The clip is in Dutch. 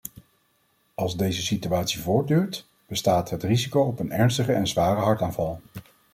Als deze situatie voortduurt, bestaat het risico op een ernstige en zware hartaanval.